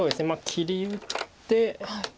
切り打って。